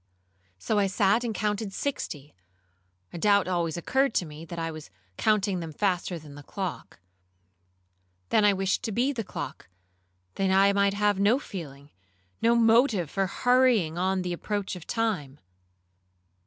So I sat and counted sixty; a doubt always occurred to me, that I was counting them faster than the clock. Then I wished to be the clock, that I might have no feeling, no motive for hurrying on the approach of time.